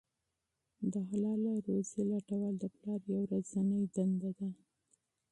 د حلاله روزۍ لټول د پلار یوه ورځنۍ دنده ده.